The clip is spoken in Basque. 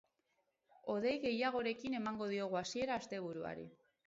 Hodei gehiagorekin emango diogu hasiera asteburuari.